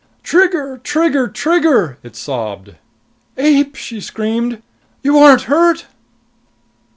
"Trigger, Trigger, Trigger!" it sobbed. "Ape!" she screamed. "You aren't hurt?"